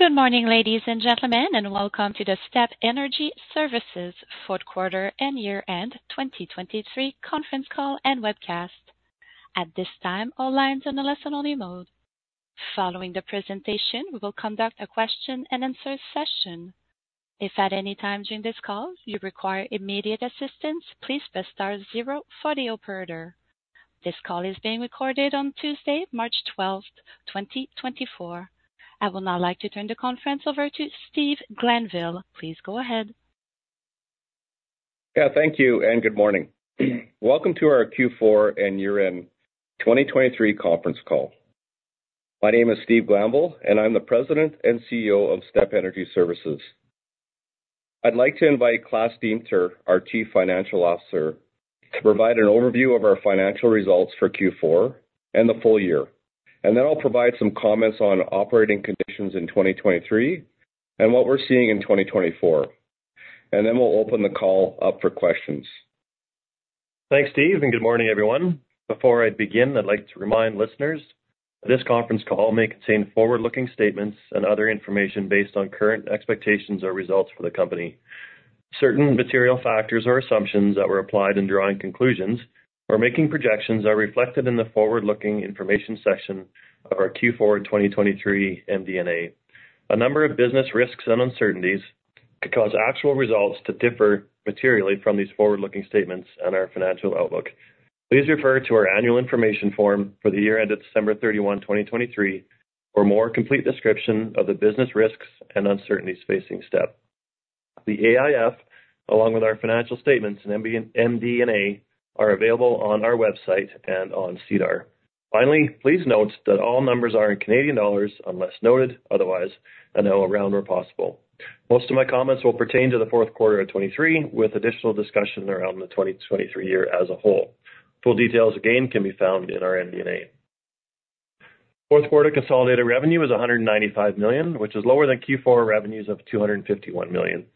Good morning, ladies and gentlemen, and welcome to the STEP Energy Services Fourth Quarter and Year-End 2023 conference call and webcast. At this time, all lines are in a listen-only mode. Following the presentation, we will conduct a question-and-answer session. If at any time during this call you require immediate assistance, please press star 0 for the operator. This call is being recorded on Tuesday, March 12th, 2024. I would now like to turn the conference over to Steve Glanville. Please go ahead. Yeah, thank you, and good morning. Welcome to our Q4 and Year-End 2023 conference call. My name is Steve Glanville, and I'm the President and CEO of STEP Energy Services. I'd like to invite Klaas Deemter, our Chief Financial Officer, to provide an overview of our financial results for Q4 and the full year, and then I'll provide some comments on operating conditions in 2023 and what we're seeing in 2024. Then we'll open the call up for questions. Thanks, Steve, and good morning, everyone. Before I begin, I'd like to remind listeners, this conference call may contain forward-looking statements and other information based on current expectations or results for the company. Certain material factors or assumptions that were applied in drawing conclusions or making projections are reflected in the forward-looking information section of our Q4 2023 MD&A. A number of business risks and uncertainties could cause actual results to differ materially from these forward-looking statements and our financial outlook. Please refer to our annual information form for the year ended December 31, 2023, for a more complete description of the business risks and uncertainties facing STEP. The AIF, along with our financial statements and MD&A, are available on our website and on SEDAR. Finally, please note that all numbers are in Canadian dollars unless noted otherwise, non-GAAP are possible. Most of my comments will pertain to the fourth quarter of 2023, with additional discussion around the 2023 year as a whole. Full details, again, can be found in our MD&A. Fourth quarter consolidated revenue was 195 million, which is lower than Q4 revenues of 251 million.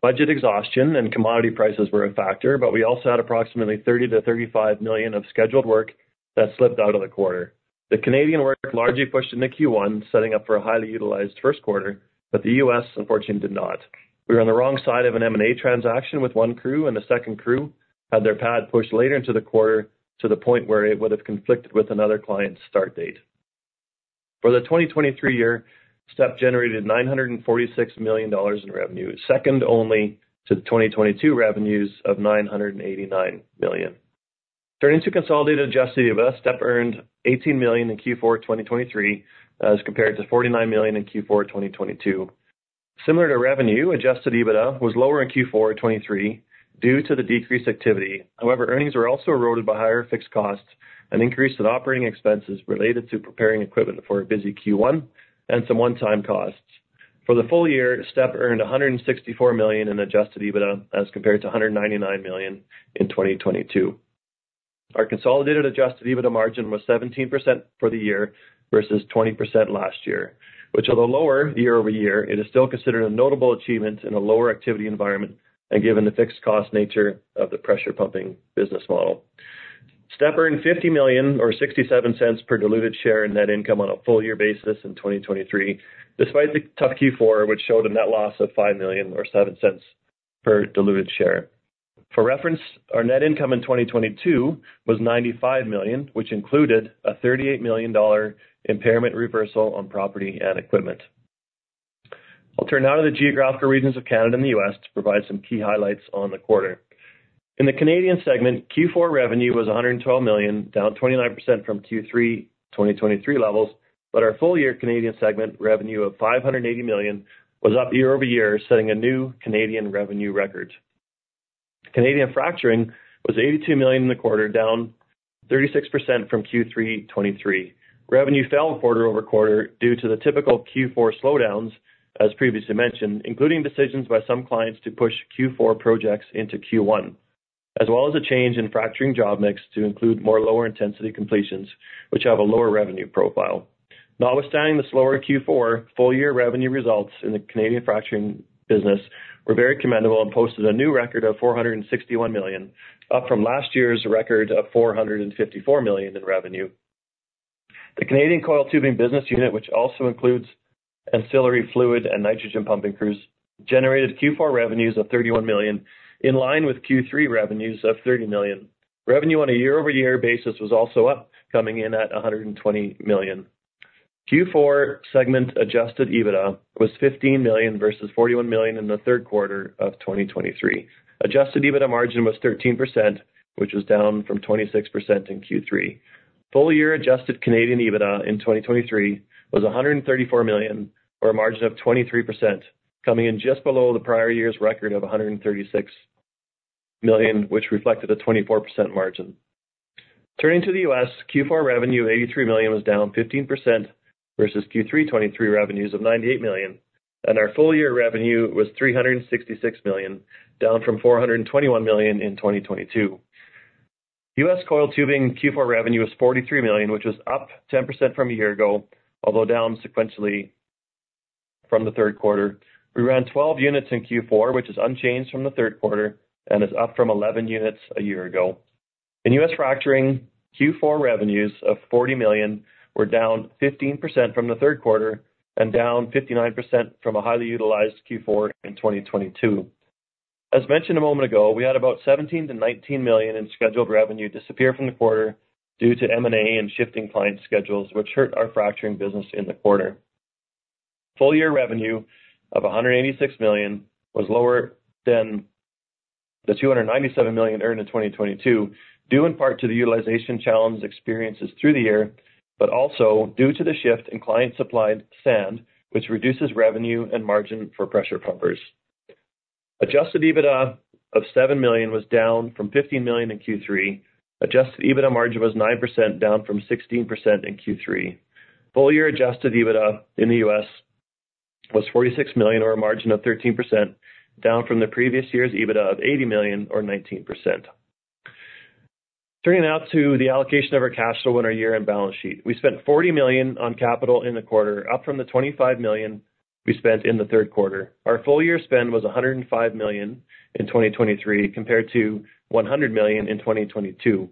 Budget exhaustion and commodity prices were a factor, but we also had approximately 30 million-35 million of scheduled work that slipped out of the quarter. The Canadian work largely pushed into Q1, setting up for a highly utilized first quarter, but the U.S., unfortunately, did not. We were on the wrong side of an M&A transaction with one crew, and the second crew had their pad pushed later into the quarter to the point where it would have conflicted with another client's start date. For the 2023 year, STEP generated 946 million dollars in revenue, second only to the 2022 revenues of 989 million. Turning to consolidated Adjusted EBITDA, STEP earned 18 million in Q4 2023 as compared to 49 million in Q4 2022. Similar to revenue, Adjusted EBITDA was lower in Q4 2023 due to the decreased activity. However, earnings were also eroded by higher fixed costs and increased in operating expenses related to preparing equipment for a busy Q1 and some one-time costs. For the full year, STEP earned 164 million in Adjusted EBITDA as compared to 199 million in 2022. Our consolidated Adjusted EBITDA margin was 17% for the year versus 20% last year, which, although lower year-over-year, it is still considered a notable achievement in a lower activity environment and given the fixed cost nature of the pressure-pumping business model. STEP earned 50 million or 0.67 per diluted share in net income on a full-year basis in 2023, despite the tough Q4, which showed a net loss of 5 million or 0.07 per diluted share. For reference, our net income in 2022 was 95 million, which included a 38 million dollar impairment reversal on property and equipment. I'll turn now to the geographical regions of Canada and the U.S. to provide some key highlights on the quarter. In the Canadian segment, Q4 revenue was 112 million, down 29% from Q3 2023 levels, but our full-year Canadian segment revenue of 580 million was up year-over-year, setting a new Canadian revenue record. Canadian fracturing was 82 million in the quarter, down 36% from Q3 2023. Revenue fell quarter-over-quarter due to the typical Q4 slowdowns, as previously mentioned, including decisions by some clients to push Q4 projects into Q1, as well as a change in fracturing job mix to include more lower-intensity completions, which have a lower revenue profile. Notwithstanding the slower Q4, full-year revenue results in the Canadian fracturing business were very commendable and posted a new record of 461 million, up from last year's record of 454 million in revenue. The Canadian coiled tubing business unit, which also includes ancillary fluid and nitrogen pumping crews, generated Q4 revenues of 31 million, in line with Q3 revenues of 30 million. Revenue on a year-over-year basis was also up, coming in at 120 million. Q4 segment adjusted EBITDA was 15 million versus 41 million in the third quarter of 2023. Adjusted EBITDA margin was 13%, which was down from 26% in Q3. Full-year adjusted Canadian EBITDA in 2023 was 134 million, or a margin of 23%, coming in just below the prior year's record of 136 million, which reflected a 24% margin. Turning to the U.S., Q4 revenue of $83 million was down 15% versus Q3 2023 revenues of $98 million, and our full-year revenue was $366 million, down from $421 million in 2022. U.S. coiled tubing Q4 revenue was $43 million, which was up 10% from a year ago, although down sequentially from the third quarter. We ran 12 units in Q4, which is unchanged from the third quarter and is up from 11 units a year ago. In U.S. fracturing, Q4 revenues of $40 million were down 15% from the third quarter and down 59% from a highly utilized Q4 in 2022. As mentioned a moment ago, we had about 17 million-19 million in scheduled revenue disappear from the quarter due to M&A and shifting client schedules, which hurt our fracturing business in the quarter. Full-year revenue of 186 million was lower than the 297 million earned in 2022, due in part to the utilization challenges experienced through the year, but also due to the shift in client-supplied sand, which reduces revenue and margin for pressure pumpers. Adjusted EBITDA of 7 million was down from 15 million in Q3. Adjusted EBITDA margin was 9%, down from 16% in Q3. Full-year adjusted EBITDA in the U.S. was 46 million, or a margin of 13%, down from the previous year's EBITDA of 80 million or 19%. Turning now to the allocation of our cash flow in our year-end balance sheet, we spent 40 million on capital in the quarter, up from the 25 million we spent in the third quarter. Our full-year spend was 105 million in 2023 compared to 100 million in 2022.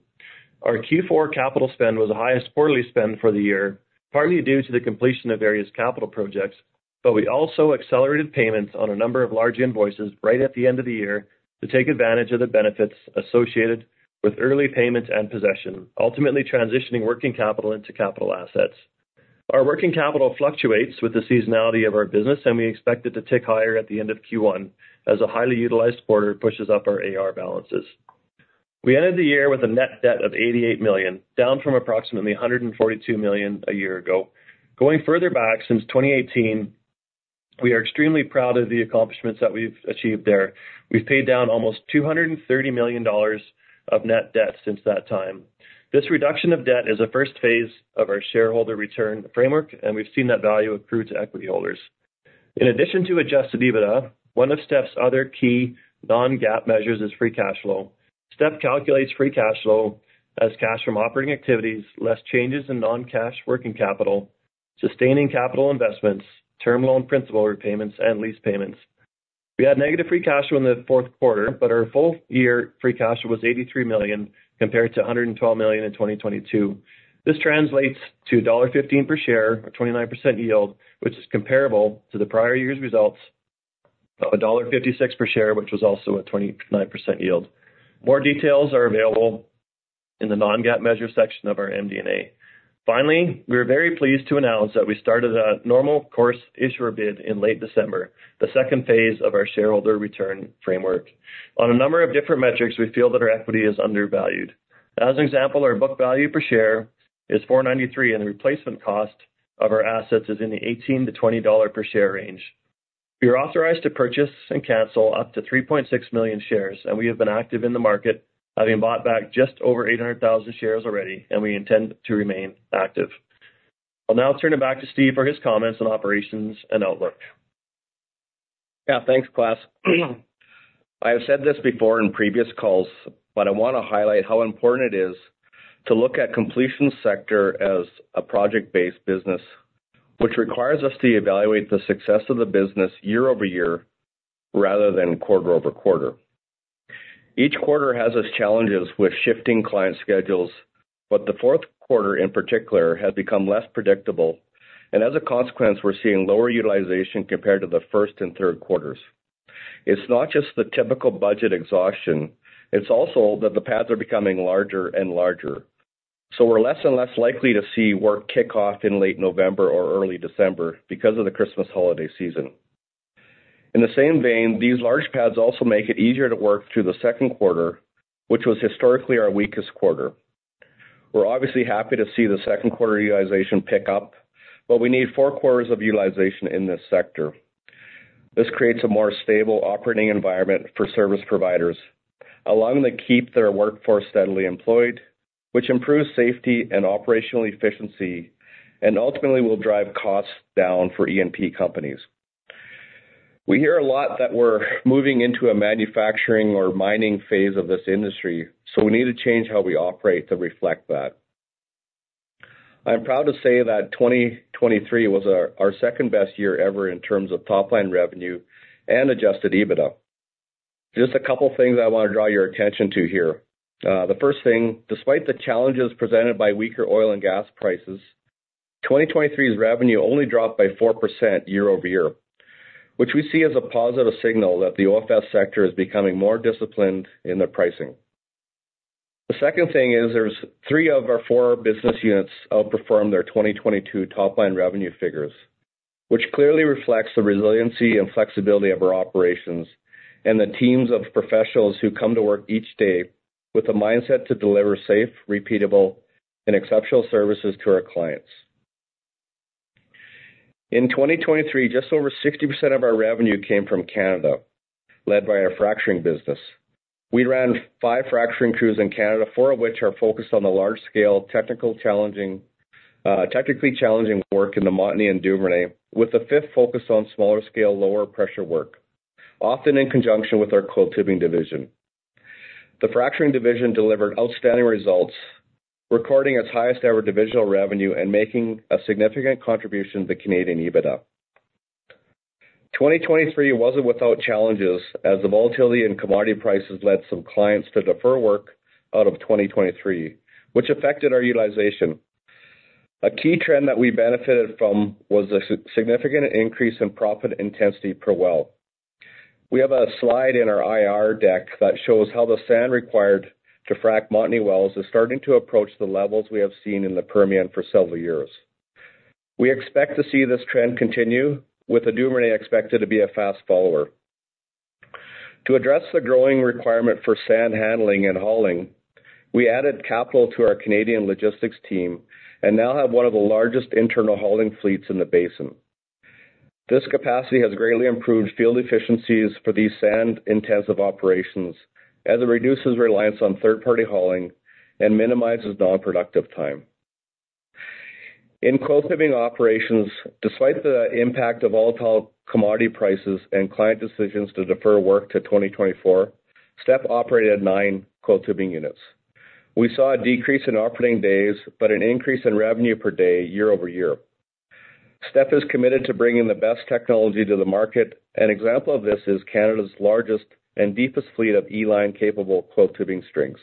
Our Q4 capital spend was the highest quarterly spend for the year, partly due to the completion of various capital projects, but we also accelerated payments on a number of large invoices right at the end of the year to take advantage of the benefits associated with early payment and possession, ultimately transitioning working capital into capital assets. Our working capital fluctuates with the seasonality of our business, and we expect it to tick higher at the end of Q1 as a highly utilized quarter pushes up our AR balances. We ended the year with a net debt of 88 million, down from approximately 142 million a year ago. Going further back since 2018, we are extremely proud of the accomplishments that we've achieved there. We've paid down almost 230 million dollars of net debt since that time. This reduction of debt is a first phase of our shareholder return framework, and we've seen that value accrue to equity holders. In addition to Adjusted EBITDA, one of STEP's other key non-GAAP measures is free cash flow. STEP calculates free cash flow as cash from operating activities, less changes in non-cash working capital, sustaining capital investments, term loan principal repayments, and lease payments. We had negative free cash flow in the fourth quarter, but our full-year free cash flow was 83 million compared to 112 million in 2022. This translates to dollar 1.15 per share, a 29% yield, which is comparable to the prior year's results of dollar 1.56 per share, which was also a 29% yield. More details are available in the non-GAAP measure section of our MD&A. Finally, we are very pleased to announce that we started a normal course issuer bid in late December, the second phase of our shareholder return framework. On a number of different metrics, we feel that our equity is undervalued. As an example, our book value per share is 4.93, and the replacement cost of our assets is in the 18-20 dollar per share range. We are authorized to purchase and cancel up to 3.6 million shares, and we have been active in the market, having bought back just over 800,000 shares already, and we intend to remain active. I'll now turn it back to Steve for his comments on operations and outlook. Yeah, thanks, Klaas. I have said this before in previous calls, but I want to highlight how important it is to look at completion sector as a project-based business, which requires us to evaluate the success of the business year-over-year rather than quarter-over-quarter. Each quarter has its challenges with shifting client schedules, but the fourth quarter in particular has become less predictable, and as a consequence, we're seeing lower utilization compared to the first and third quarters. It's not just the typical budget exhaustion. It's also that the pads are becoming larger and larger, so we're less and less likely to see work kick off in late November or early December because of the Christmas holiday season. In the same vein, these large pads also make it easier to work through the second quarter, which was historically our weakest quarter. We're obviously happy to see the second quarter utilization pick up, but we need four quarters of utilization in this sector. This creates a more stable operating environment for service providers, along with a key to keep their workforce steadily employed, which improves safety and operational efficiency and ultimately will drive costs down for E&P companies. We hear a lot that we're moving into a manufacturing or mining phase of this industry, so we need to change how we operate to reflect that. I'm proud to say that 2023 was our second best year ever in terms of top-line revenue and Adjusted EBITDA. Just a couple of things I want to draw your attention to here. The first thing, despite the challenges presented by weaker oil and gas prices, 2023's revenue only dropped by 4% year-over-year, which we see as a positive signal that the OFS sector is becoming more disciplined in their pricing. The second thing is there's three of our four business units outperform their 2022 top-line revenue figures, which clearly reflects the resiliency and flexibility of our operations and the teams of professionals who come to work each day with a mindset to deliver safe, repeatable, and exceptional services to our clients. In 2023, just over 60% of our revenue came from Canada, led by our fracturing business. We ran five fracturing crews in Canada, four of which are focused on the large-scale, technically challenging work in the Montney and Duvernay, with the fifth focused on smaller-scale, lower-pressure work, often in conjunction with our coiled tubing division. The fracturing division delivered outstanding results, recording its highest-ever divisional revenue and making a significant contribution to the Canadian EBITDA. 2023 wasn't without challenges, as the volatility in commodity prices led some clients to defer work out of 2023, which affected our utilization. A key trend that we benefited from was a significant increase in proppant intensity per well. We have a slide in our IR deck that shows how the sand required to frack Montney wells is starting to approach the levels we have seen in the Permian for several years. We expect to see this trend continue, with the Duvernay expected to be a fast follower. To address the growing requirement for sand handling and hauling, we added capital to our Canadian logistics team and now have one of the largest internal hauling fleets in the basin. This capacity has greatly improved field efficiencies for these sand-intensive operations as it reduces reliance on third-party hauling and minimizes nonproductive time. In coiled tubing operations, despite the impact of volatile commodity prices and client decisions to defer work to 2024, STEP operated 9 coiled tubing units. We saw a decrease in operating days but an increase in revenue per day year-over-year. STEP is committed to bringing the best technology to the market, and an example of this is Canada's largest and deepest fleet of E-line capable coiled tubing strings.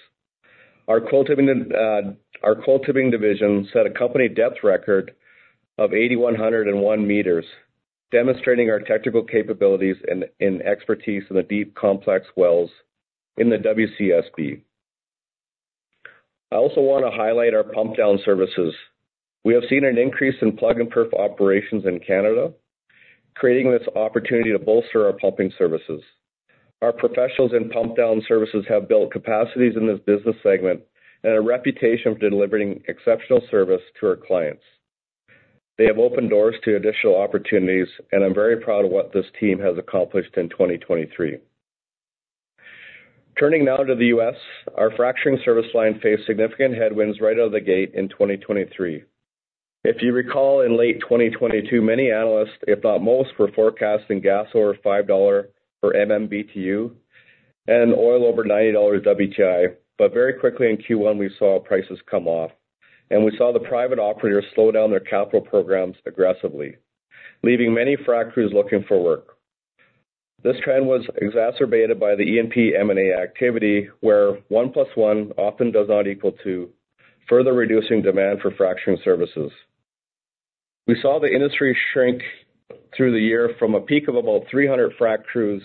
Our coiled tubing division set a company depth record of 8,101 meters, demonstrating our technical capabilities and expertise in the deep, complex wells in the WCSB. I also want to highlight our pump-down services. We have seen an increase in plug-and-perf operations in Canada, creating this opportunity to bolster our pumping services. Our professionals in pump-down services have built capacities in this business segment and a reputation for delivering exceptional service to our clients. They have opened doors to additional opportunities, and I'm very proud of what this team has accomplished in 2023. Turning now to the U.S., our fracturing service line faced significant headwinds right out of the gate in 2023. If you recall, in late 2022, many analysts, if not most, were forecasting gas over $5 per MMBTU and oil over $90 WTI, but very quickly in Q1, we saw prices come off, and we saw the private operators slow down their capital programs aggressively, leaving many frac crews looking for work. This trend was exacerbated by the E&P M&A activity, where one plus one often does not equal two, further reducing demand for fracturing services. We saw the industry shrink through the year from a peak of about 300 frac crews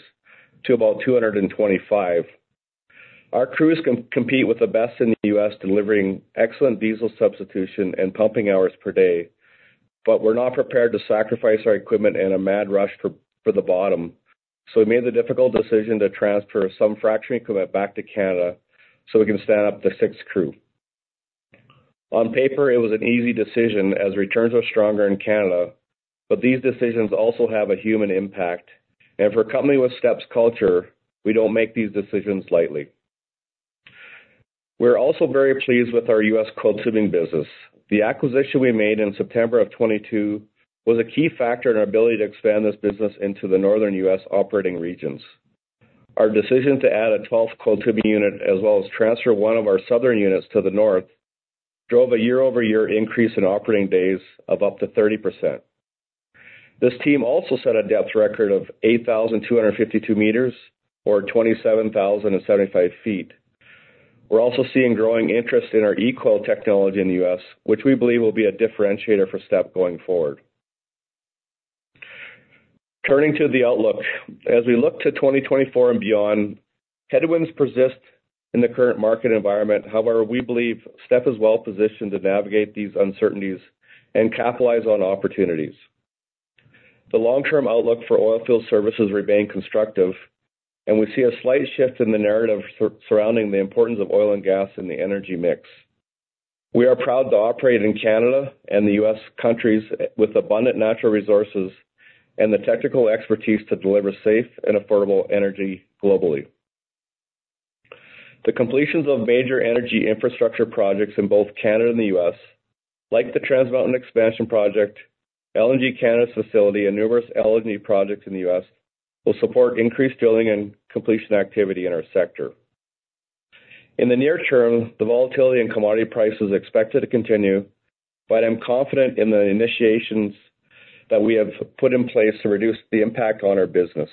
to about 225. Our crews compete with the best in the U.S., delivering excellent diesel substitution and pumping hours per day, but we're not prepared to sacrifice our equipment in a mad rush for the bottom, so we made the difficult decision to transfer some fracturing equipment back to Canada so we can stand up the sixth crew. On paper, it was an easy decision as returns are stronger in Canada, but these decisions also have a human impact, and for a company with STEP's culture, we don't make these decisions lightly. We're also very pleased with our U.S. coiled tubing business. The acquisition we made in September 2022 was a key factor in our ability to expand this business into the northern U.S. operating regions. Our decision to add a 12th coiled tubing unit as well as transfer one of our southern units to the north drove a year-over-year increase in operating days of up to 30%. This team also set a depth record of 8,252 meters, or 27,075 feet. We're also seeing growing interest in our E-Coil technology in the U.S., which we believe will be a differentiator for STEP going forward. Turning to the outlook, as we look to 2024 and beyond, headwinds persist in the current market environment. However, we believe STEP is well-positioned to navigate these uncertainties and capitalize on opportunities. The long-term outlook for oilfield services remains constructive, and we see a slight shift in the narrative surrounding the importance of oil and gas in the energy mix. We are proud to operate in Canada and the U.S. countries with abundant natural resources and the technical expertise to deliver safe and affordable energy globally. The completion of major energy infrastructure projects in both Canada and the U.S., like the Trans Mountain Expansion Project, LNG Canada’s facility, and numerous LNG projects in the U.S., will support increased drilling and completion activity in our sector. In the near term, the volatility in commodity prices is expected to continue, but I’m confident in the initiatives that we have put in place to reduce the impact on our business.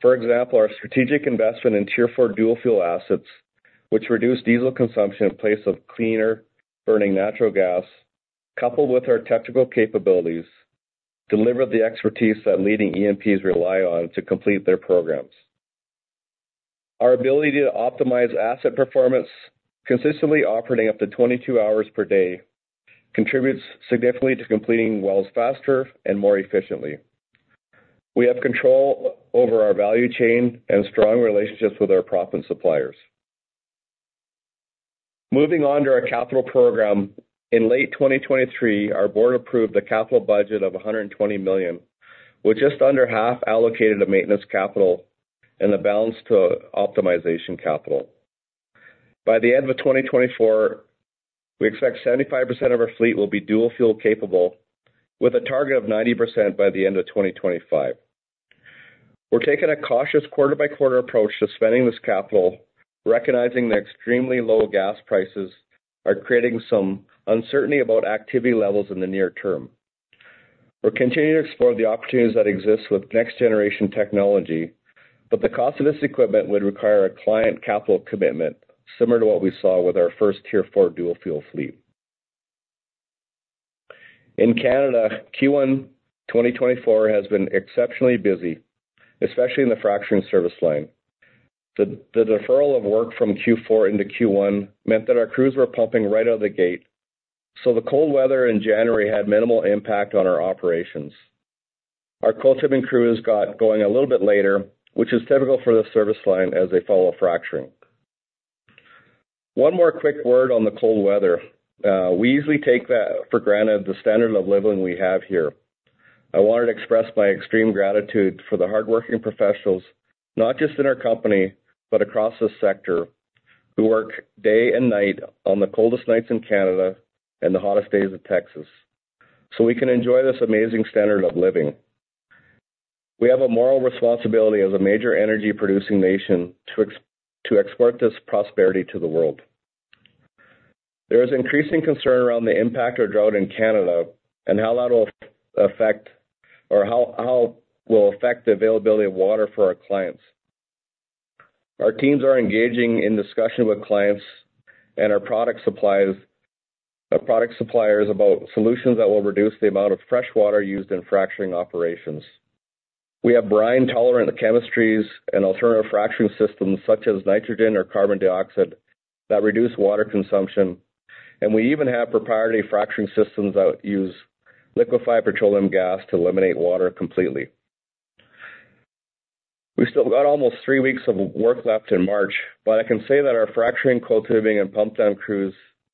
For example, our strategic investment in Tier 4 dual fuel assets, which reduced diesel consumption in place of cleaner burning natural gas, coupled with our technical capabilities, delivered the expertise that leading E&Ps rely on to complete their programs. Our ability to optimize asset performance, consistently operating up to 22 hours per day, contributes significantly to completing wells faster and more efficiently. We have control over our value chain and strong relationships with our proppant suppliers. Moving on to our capital program, in late 2023, our board approved a capital budget of 120 million, with just under half allocated to maintenance capital and the balance to optimization capital. By the end of 2024, we expect 75% of our fleet will be dual fuel capable, with a target of 90% by the end of 2025. We're taking a cautious quarter-by-quarter approach to spending this capital, recognizing that extremely low gas prices are creating some uncertainty about activity levels in the near term. We're continuing to explore the opportunities that exist with next-generation technology, but the cost of this equipment would require a client capital commitment similar to what we saw with our first Tier 4 dual fuel fleet. In Canada, Q1 2024 has been exceptionally busy, especially in the fracturing service line. The deferral of work from Q4 into Q1 meant that our crews were pumping right out of the gate, so the cold weather in January had minimal impact on our operations. Our coiled tubing crews got going a little bit later, which is typical for this service line as they follow fracturing. One more quick word on the cold weather. We easily take for granted the standard of living we have here. I wanted to express my extreme gratitude for the hardworking professionals, not just in our company but across this sector, who work day and night on the coldest nights in Canada and the hottest days of Texas, so we can enjoy this amazing standard of living. We have a moral responsibility as a major energy-producing nation to export this prosperity to the world. There is increasing concern around the impact of drought in Canada and how that will affect or how will affect the availability of water for our clients. Our teams are engaging in discussion with clients and our product suppliers about solutions that will reduce the amount of fresh water used in fracturing operations. We have brine-tolerant chemistries and alternative fracturing systems such as nitrogen or carbon dioxide that reduce water consumption, and we even have proprietary fracturing systems that use liquefied petroleum gas to eliminate water completely. We still got almost three weeks of work left in March, but I can say that our fracturing, coiled tubing, and pump-down crews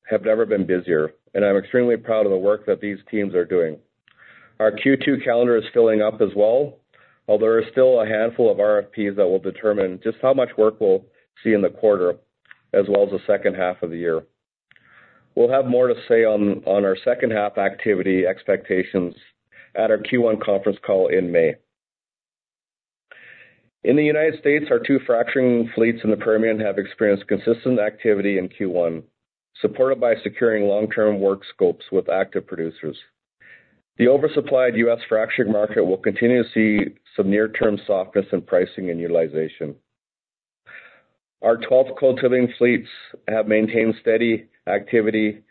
have never been busier, and I'm extremely proud of the work that these teams are doing. Our Q2 calendar is filling up as well, although there are still a handful of RFPs that will determine just how much work we'll see in the quarter as well as the second half of the year. We'll have more to say on our second-half activity expectations at our Q1 conference call in May. In the United States, our two fracturing fleets in the Permian have experienced consistent activity in Q1, supported by securing long-term work scopes with active producers. The oversupplied U.S. fracturing market will continue to see some near-term softness in pricing and utilization. Our 12th coiled tubing fleets have maintained steady activity,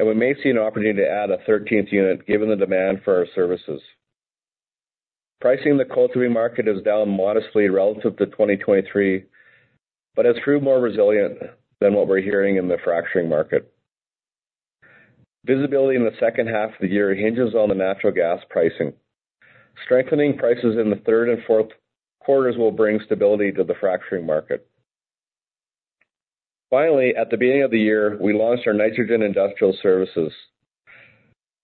and we may see an opportunity to add a 13th unit given the demand for our services. Pricing in the coiled tubing market is down modestly relative to 2023 but has proved more resilient than what we're hearing in the fracturing market. Visibility in the second half of the year hinges on the natural gas pricing. Strengthening prices in the third and fourth quarters will bring stability to the fracturing market. Finally, at the beginning of the year, we launched our nitrogen industrial services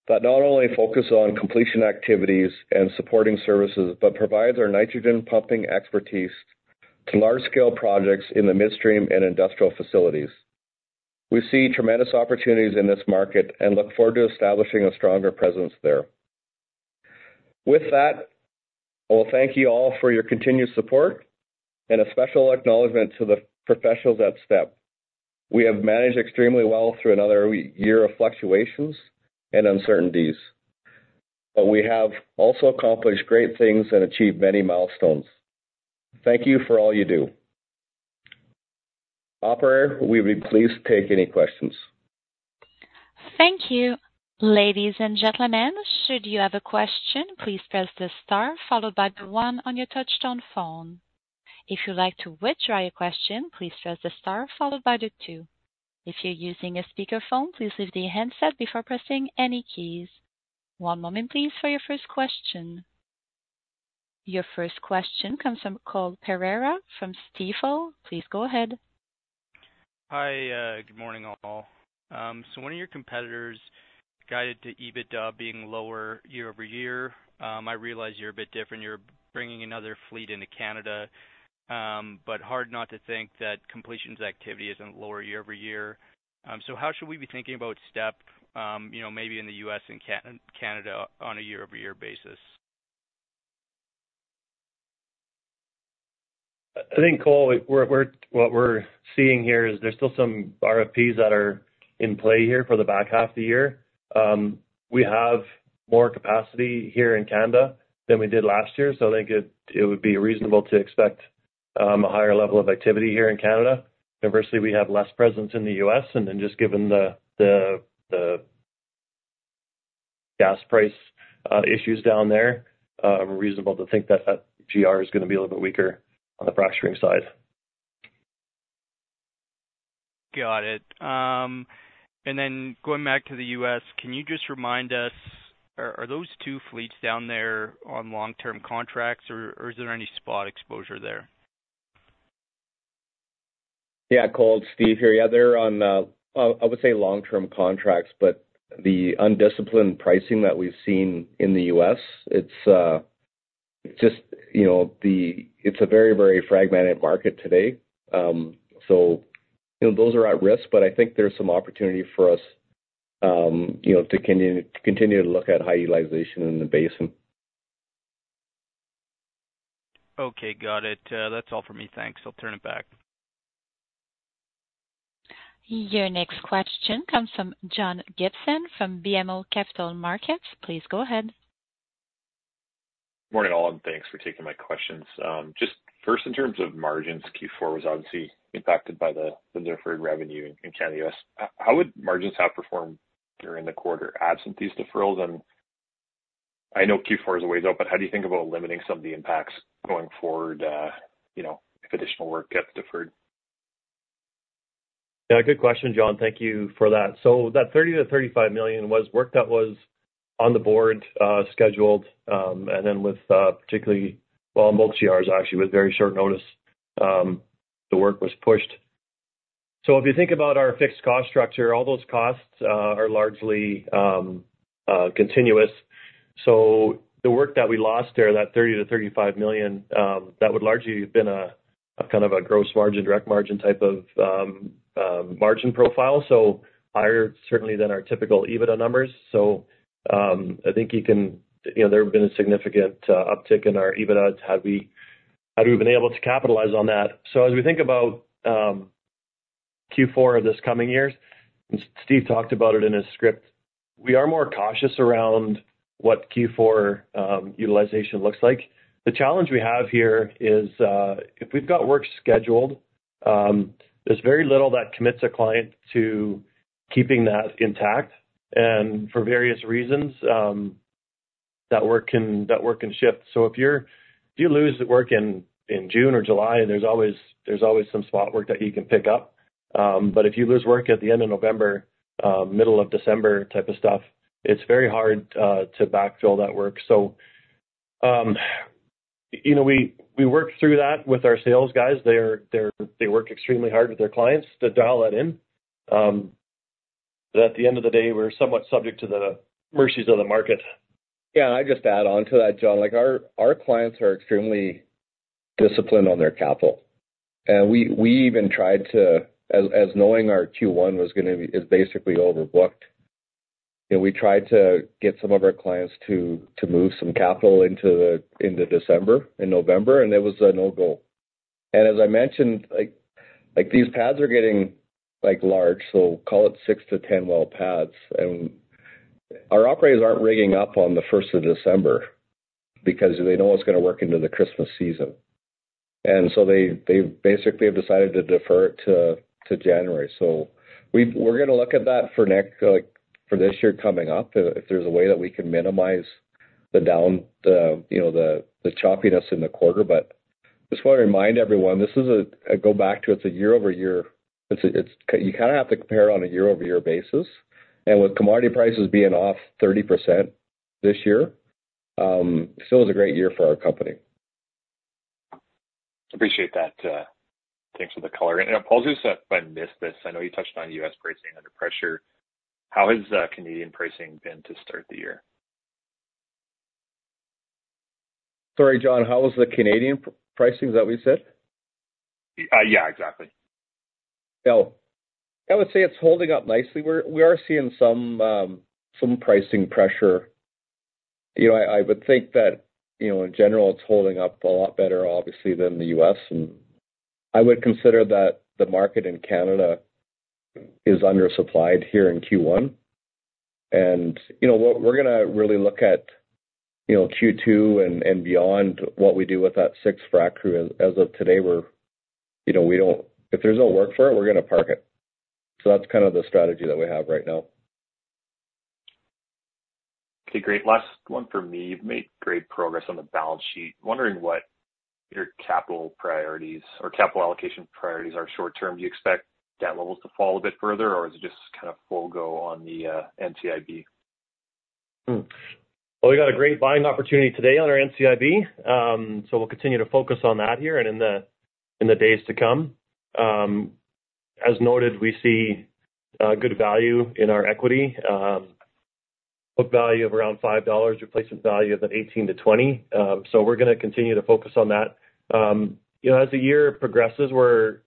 that not only focus on completion activities and supporting services but provide our nitrogen pumping expertise to large-scale projects in the midstream and industrial facilities. We see tremendous opportunities in this market and look forward to establishing a stronger presence there. With that, I will thank you all for your continued support and a special acknowledgment to the professionals at STEP. We have managed extremely well through another year of fluctuations and uncertainties, but we have also accomplished great things and achieved many milestones. Thank you for all you do. Operator, we'd be pleased to take any questions. Thank you. Ladies and gentlemen, should you have a question, please press the star followed by the 1 on your touch-tone phone. If you'd like to withdraw your question, please press the star followed by the 2. If you're using a speakerphone, please leave the handset before pressing any keys. One moment, please, for your first question. Your first question comes from Cole Pereira from Stifel. Please go ahead. Hi. Good morning, all. So one of your competitors guided to EBITDA being lower year-over-year. I realize you're a bit different. You're bringing another fleet into Canada, but hard not to think that completions activity isn't lower year-over-year. So how should we be thinking about Step, maybe in the U.S. and Canada on a year-over-year basis? I think, Cole, what we're seeing here is there's still some RFPs that are in play here for the back half of the year. We have more capacity here in Canada than we did last year, so I think it would be reasonable to expect a higher level of activity here in Canada. Conversely, we have less presence in the U.S., and then just given the gas price issues down there, we're reasonable to think that geo is going to be a little bit weaker on the fracturing side. Got it. And then going back to the U.S., can you just remind us, are those 2 fleets down there on long-term contracts, or is there any spot exposure there? Yeah, Cole, Steve here. Yeah, they're on, I would say, long-term contracts, but the undisciplined pricing that we've seen in the U.S., it's just a very, very fragmented market today. So those are at risk, but I think there's some opportunity for us to continue to look at high utilization in the basin. Okay. Got it. That's all for me. Thanks. I'll turn it back. Your next question comes from John Gibson from BMO Capital Markets. Please go ahead. Morning, all, and thanks for taking my questions. Just first, in terms of margins, Q4 was obviously impacted by the deferred revenue in Canada and the U.S. How would margins have performed during the quarter absent these deferrals? And I know Q4 is a ways out, but how do you think about limiting some of the impacts going forward if additional work gets deferred? Yeah, good question, John. Thank you for that. So that 30 million-35 million was work that was on the board scheduled, and then particularly well, on both geos, actually, with very short notice, the work was pushed. So if you think about our fixed cost structure, all those costs are largely continuous. So the work that we lost there, that 30 million-35 million, that would largely have been kind of a gross margin, direct margin type of margin profile, so higher certainly than our typical EBITDA numbers. So I think you can there have been a significant uptick in our EBITDA to how we've been able to capitalize on that. So as we think about Q4 of this coming years, and Steve talked about it in his script, we are more cautious around what Q4 utilization looks like. The challenge we have here is if we've got work scheduled, there's very little that commits a client to keeping that intact. For various reasons, that work can shift. If you lose work in June or July, there's always some spot work that you can pick up. But if you lose work at the end of November, middle of December type of stuff, it's very hard to backfill that work. We work through that with our sales guys. They work extremely hard with their clients to dial that in. At the end of the day, we're somewhat subject to the mercies of the market. Yeah, I'd just add on to that, John. Our clients are extremely disciplined on their capital. As we even tried to, as knowing our Q1 was going to be basically overbooked, we tried to get some of our clients to move some capital into December and November, and it was a no-go. As I mentioned, these pads are getting large, so call it 6-10 well pads. Our operators aren't rigging up on the 1st of December because they know it's going to work into the Christmas season. So they basically have decided to defer it to January. So we're going to look at that for this year coming up if there's a way that we can minimize the choppiness in the quarter. But I just want to remind everyone, this is a go back to it's a year-over-year. You kind of have to compare it on a year-over-year basis. And with commodity prices being off 30% this year, still is a great year for our company. Appreciate that. Thanks for the color. And Klaas, you said I missed this. I know you touched on U.S. pricing under pressure. How has Canadian pricing been to start the year? Sorry, John. How was the Canadian pricing? Is that what you said? Yeah, exactly. Oh. I would say it's holding up nicely. We are seeing some pricing pressure. I would think that, in general, it's holding up a lot better, obviously, than the U.S. And I would consider that the market in Canada is undersupplied here in Q1. And we're going to really look at Q2 and beyond what we do with that sixth frac crew. As of today, we don't if there's no work for it, we're going to park it. So that's kind of the strategy that we have right now. Okay. Great. Last one from me. You've made great progress on the balance sheet. Wondering what your capital priorities or capital allocation priorities are short term. Do you expect debt levels to fall a bit further, or is it just kind of full-go on the NCIB? Well, we got a great buying opportunity today on our NCIB, so we'll continue to focus on that here and in the days to come. As noted, we see good value in our equity. Book value of around 5 dollars, replacement value of 18-20. So we're going to continue to focus on that. As the year progresses, we're.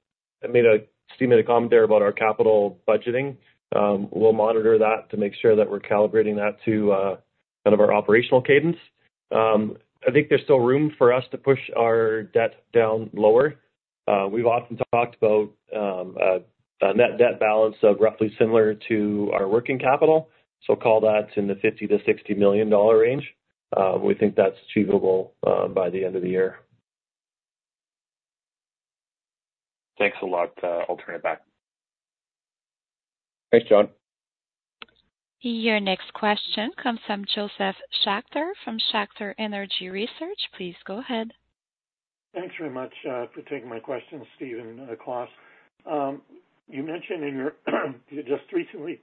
Steve made a comment there about our capital budgeting. We'll monitor that to make sure that we're calibrating that to kind of our operational cadence. I think there's still room for us to push our debt down lower. We've often talked about a net debt balance of roughly similar to our working capital, so call that in the 50 million-60 million dollar range. We think that's achievable by the end of the year. Thanks a lot. I'll turn it back. Thanks, John. Your next question comes from Josef Schachter from Schachter Energy Research. Please go ahead. Thanks very much for taking my question, Steve and Klaas. You mentioned in your just recently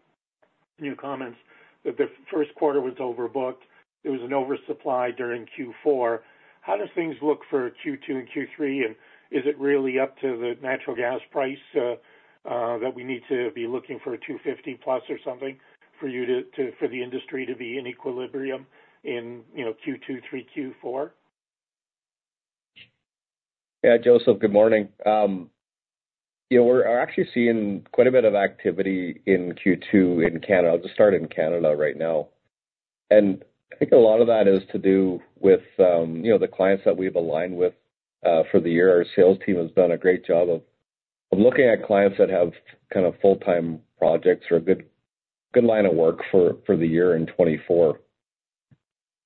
new comments that the first quarter was overbooked. There was an oversupply during Q4. How does things look for Q2 and Q3, and is it really up to the natural gas price that we need to be looking for 250+ or something for the industry to be in equilibrium in Q2, 3Q, 4? Yeah, Josef, good morning. We're actually seeing quite a bit of activity in Q2 in Canada. I'll just start in Canada right now. I think a lot of that is to do with the clients that we've aligned with for the year. Our sales team has done a great job of looking at clients that have kind of full-time projects or a good line of work for the year in 2024.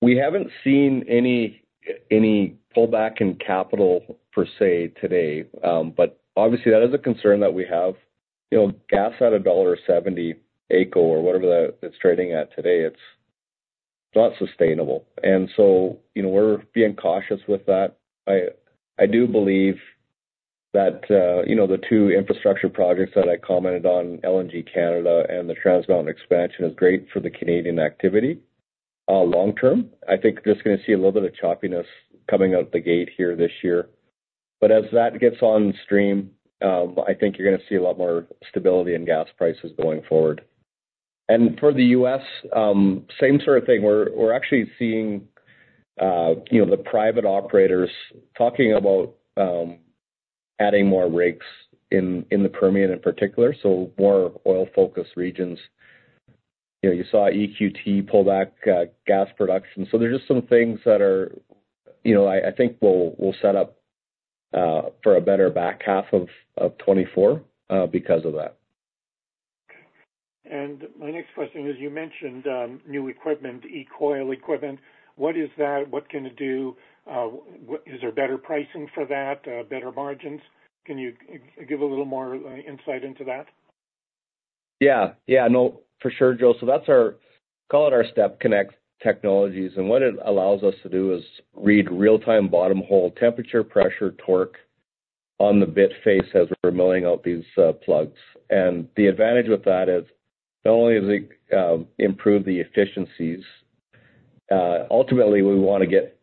We haven't seen any pullback in capital per se today, but obviously, that is a concern that we have. Gas at CAD 1.70 AECO or whatever that it's trading at today, it's not sustainable. So we're being cautious with that. I do believe that the two infrastructure projects that I commented on, LNG Canada and the Trans Mountain Expansion, is great for the Canadian activity long term. I think we're just going to see a little bit of choppiness coming out the gate here this year. But as that gets on stream, I think you're going to see a lot more stability in gas prices going forward. And for the U.S., same sort of thing. We're actually seeing the private operators talking about adding more rigs in the Permian in particular, so more oil-focused regions. You saw EQT pull back gas production. So there's just some things that are I think will set up for a better back half of 2024 because of that. And my next question is, you mentioned new equipment, e-coil equipment. What is that? What can it do? Is there better pricing for that, better margins? Can you give a little more insight into that? Yeah. Yeah. No, for sure, Joe. So that's our call it our STEP Connect technologies. What it allows us to do is read real-time bottom hole temperature, pressure, torque on the bit face as we're milling out these plugs. The advantage with that is not only does it improve the efficiencies; ultimately, we want to get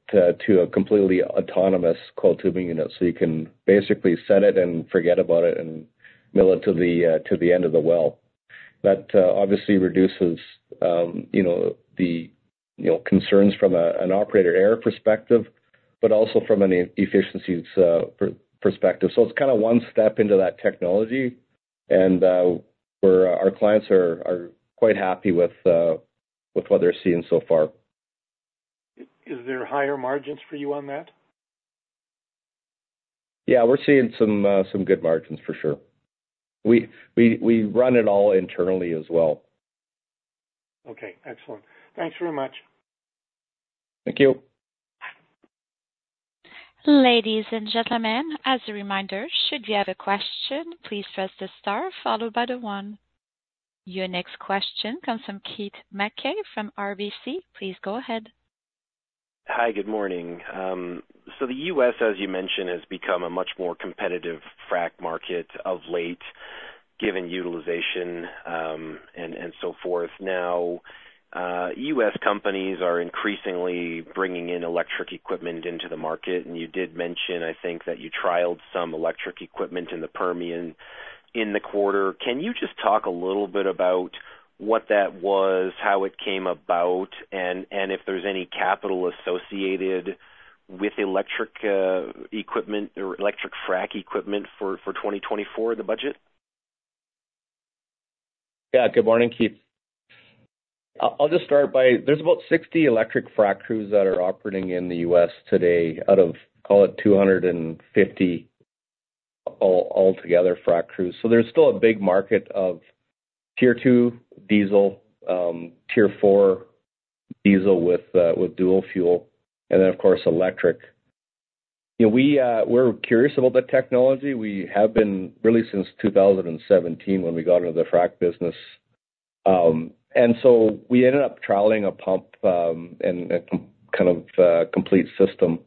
to a completely autonomous coiled tubing unit so you can basically set it and forget about it and mill it to the end of the well. That obviously reduces the concerns from an operator safety perspective but also from an efficiencies perspective. It's kind of one step into that technology, and our clients are quite happy with what they're seeing so far. Is there higher margins for you on that? Yeah, we're seeing some good margins, for sure. We run it all internally as well. Okay. Excellent. Thanks very much. Thank you. Ladies and gentlemen, as a reminder, should you have a question, please press the star followed by the 1. Your next question comes from Keith Mackey from RBC. Please go ahead. Hi. Good morning. So the U.S., as you mentioned, has become a much more competitive frac market of late given utilization and so forth. Now, U.S. companies are increasingly bringing in electric equipment into the market. And you did mention, I think, that you trialed some electric equipment in the Permian in the quarter. Can you just talk a little bit about what that was, how it came about, and if there's any capital associated with electric equipment or electric frac equipment for 2024 in the budget? Yeah. Good morning, Keith. I'll just start by, there's about 60 electric frac crews that are operating in the U.S. today out of, call it, 250 altogether frac crews. So there's still a big market of Tier 2 diesel, Tier 4 diesel with dual fuel, and then, of course, electric. We're curious about that technology. We have been really since 2017 when we got into the frac business. And so we ended up trialing a pump and a kind of complete system,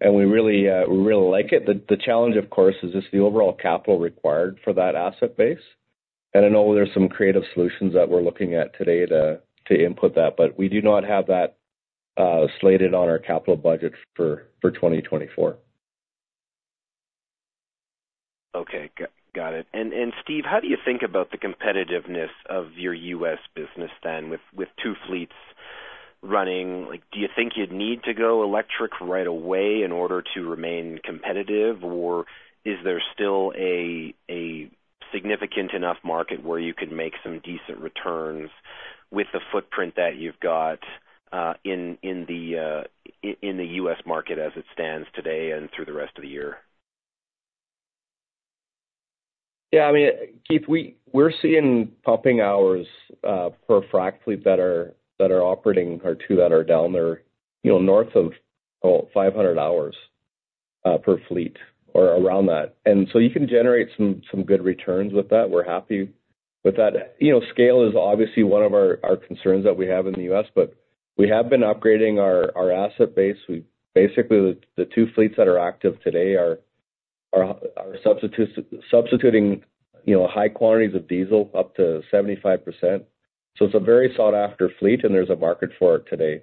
and we really like it. The challenge, of course, is just the overall capital required for that asset base. And I know there's some creative solutions that we're looking at today to input that, but we do not have that slated on our capital budget for 2024. Okay. Got it. And Steve, how do you think about the competitiveness of your U.S. business then with two fleets running? Do you think you'd need to go electric right away in order to remain competitive, or is there still a significant enough market where you can make some decent returns with the footprint that you've got in the U.S. market as it stands today and through the rest of the year? Yeah. I mean, Keith, we're seeing pumping hours per frac fleet that are operating or two that are down. They're north of 500 hours per fleet or around that. And so you can generate some good returns with that. We're happy with that. Scale is obviously one of our concerns that we have in the U.S., but we have been upgrading our asset base. Basically, the two fleets that are active today are substituting high quantities of diesel up to 75%. So it's a very sought-after fleet, and there's a market for it today.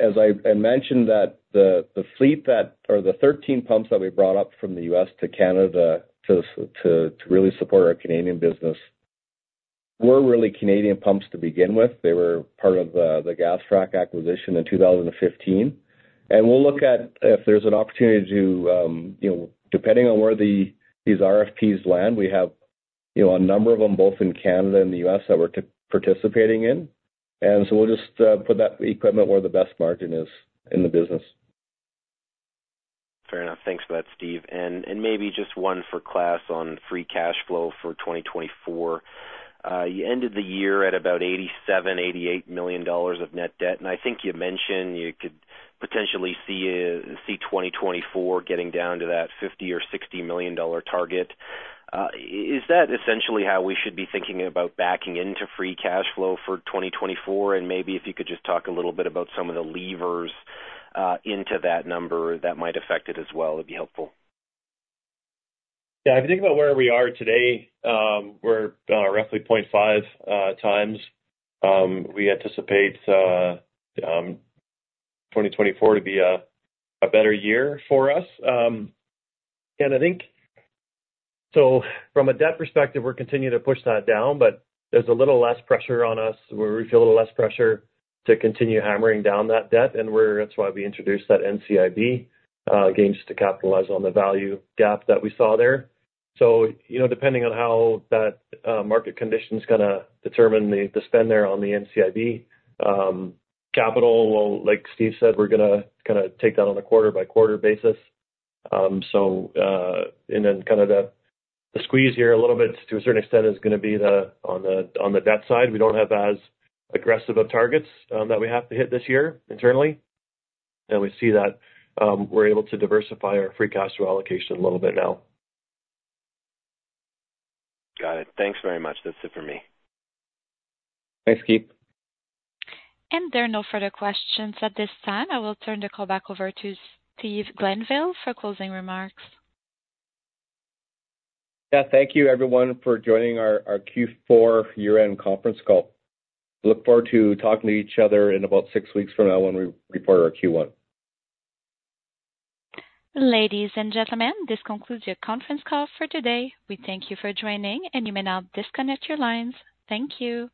As I mentioned, the fleet that or the 13 pumps that we brought up from the U.S. to Canada to really support our Canadian business, were really Canadian pumps to begin with. They were part of the gas frac acquisition in 2015. And we'll look at if there's an opportunity to depending on where these RFPs land, we have a number of them both in Canada and the U.S. that we're participating in. And so we'll just put that equipment where the best margin is in the business. Fair enough. Thanks for that, Steve. And maybe just one for Klaas on free cash flow for 2024. You ended the year at about 87-88 million dollars of net debt, and I think you mentioned you could potentially see 2024 getting down to that 50-60 million dollar target. Is that essentially how we should be thinking about backing into free cash flow for 2024? And maybe if you could just talk a little bit about some of the levers into that number that might affect it as well, it'd be helpful. Yeah. If you think about where we are today, we're roughly 0.5 times. We anticipate 2024 to be a better year for us. And I think so from a debt perspective, we're continuing to push that down, but there's a little less pressure on us. We feel a little less pressure to continue hammering down that debt. And that's why we introduced that NCIB, again, just to capitalize on the value gap that we saw there. So depending on how that market condition is going to determine the spend there on the NCIB, capital, like Steve said, we're going to kind of take that on a quarter-by-quarter basis. And then kind of the squeeze here a little bit to a certain extent is going to be on the debt side. We don't have as aggressive of targets that we have to hit this year internally. And we see that we're able to diversify our free cash flow allocation a little bit now. Got it. Thanks very much. That's it for me. Thanks, Keith. And there are no further questions at this time. I will turn the call back over to Steve Glanville for closing remarks. Yeah. Thank you, everyone, for joining our Q4 year-end conference call. Look forward to talking to each other in about six weeks from now when we report our Q1. Ladies and gentlemen, this concludes your conference call for today. We thank you for joining, and you may now disconnect your lines. Thank you.